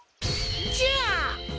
じゃあ。